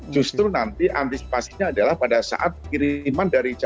justru nanti antisipasinya adalah pada saat kiriman dari china